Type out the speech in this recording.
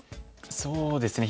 そうですね